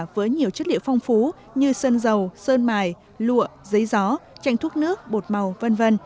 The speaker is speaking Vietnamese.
với nhiều chất liệu phong phú như sơn dầu sơn mài lụa giấy gió tranh thuốc nước bột màu v v